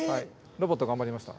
ロボット頑張りました。